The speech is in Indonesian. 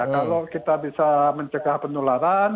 kalau kita bisa mencegah penularan